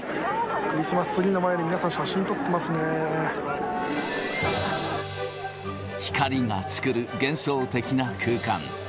クリスマスツリーの前で皆さん、光が作る幻想的な空間。